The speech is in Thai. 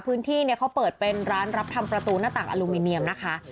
พื้นที่เนี่ยเขาเปิดเป็นร้านรับทำประตูหน้าต่างอลูมิเนียมนะคะ